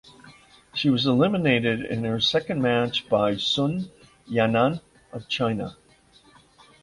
She was eliminated in her second match by Sun Yanan of China.